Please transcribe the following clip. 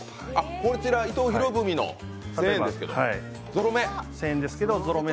こちら伊藤博文の１０００円ですけどゾロ目。